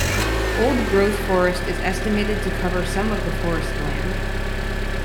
Old growth forest is estimated to cover some of the forest land.